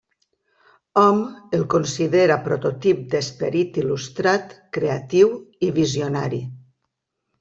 Hom el considera prototip d'esperit il·lustrat creatiu i visionari.